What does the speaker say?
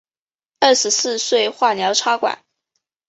二十四岁时化疗插管